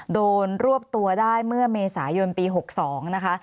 รวบตัวได้เมื่อเมษายนปี๖๒นะคะ